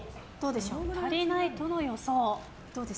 足りないとの予想。